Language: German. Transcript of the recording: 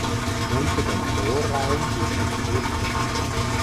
Unter dem Chorraum gibt es Krypten.